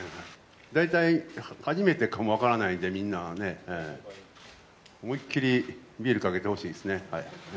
大体初めてかも分からないんで、みんなは、思いっきり、ビールかけてほしいですね。